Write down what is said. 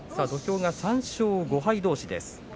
土俵は３勝５敗どうし。